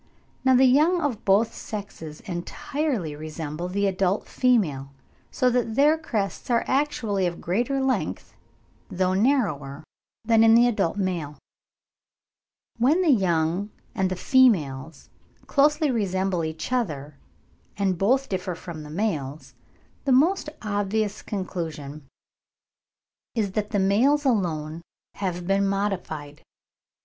Now the young of both sexes entirely resemble the adult female, so that their crests are actually of greater length, though narrower, than in the adult male. (4. Macgillivray, 'Hist. Brit. Birds,' vol. v. pp. 207 214.) When the young and the females closely resemble each other and both differ from the males, the most obvious conclusion is that the males alone have been modified.